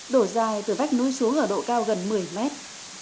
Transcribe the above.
đổ dài từ vách núi xuống ở độ cao gần một mươi mét